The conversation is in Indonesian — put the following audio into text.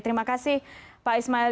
terima kasih pak ismail